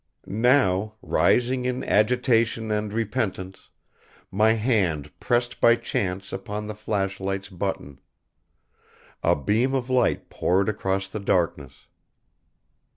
Now, rising in agitation and repentance, my hand pressed by chance upon the flashlight's button. A beam of light poured across the darkness.